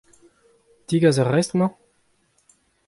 O tegas ur restr emañ ?